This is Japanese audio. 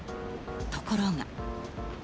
ところが。